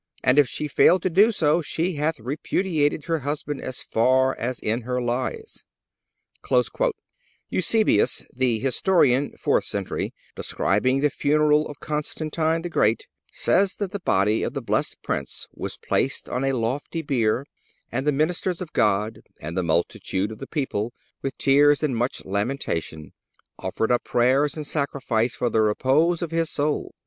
And if she fail to do so she hath repudiated her husband as far as in her lies."(285) Eusebius, the historian (fourth century), describing the funeral of Constantine the Great, says that the body of the blessed prince was placed on a lofty bier, and the ministers of God and the multitude of the people, with tears and much lamentation, offered up prayers and sacrifice for the repose of his soul.